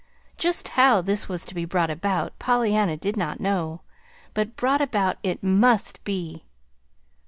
Just how this was to be brought about Pollyanna did not know; but brought about it must be.